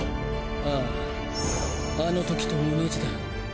あぁあの時と同じだ。